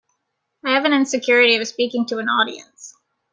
I have an insecurity of speaking to an audience.